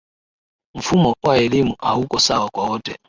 Mfumo wa elimu hauko sawa kwa wote